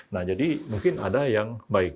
nah jadi mungkin ada yang baik